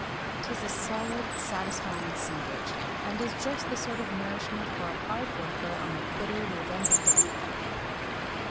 'Tis a solid, satisfying sandwich, and is just the sort of nourishment for a hard worker on a bitter November day.